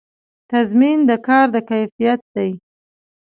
تضمین د کار د کیفیت دی